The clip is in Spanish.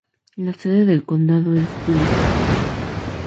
La sede del condado es Williston.